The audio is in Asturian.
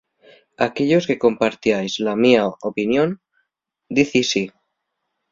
Aquellos que compartáis la mio opinión, dicíi sí.